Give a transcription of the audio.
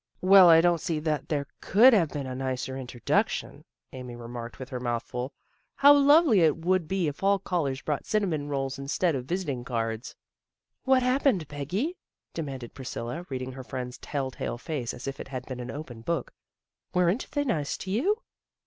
" Well, I don't see that there could have been a nicer introduction," Amy remarked with her mouth full. " How lovely it would be if all callers brought cinnamon rolls instead of visiting cards." " What happened, Peggy? " demanded Pris cilla, reading her friend's tell tale face as if it had been an open book. "Weren't they nice to you?"